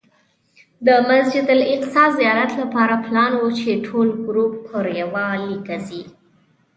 د مسجد الاقصی زیارت لپاره پلان و چې ټول ګروپ پر یوه لیکه ځي.